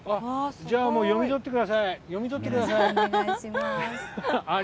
じゃあ、もう読み取ってください。